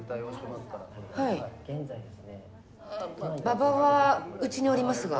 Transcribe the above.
はい馬場はうちにおりますが。